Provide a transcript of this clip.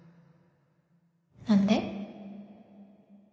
何で？